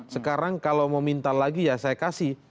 sekarang kalau mau minta lagi ya saya kasih